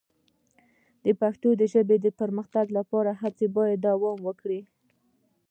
د پښتو ژبې د پرمختګ لپاره هڅې باید دوام وکړي.